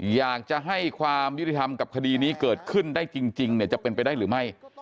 อยากจะให้ความยุติธรรมกับคดีนี้เกิดขึ้นได้จริงจะเป็นไปได้หรือไม่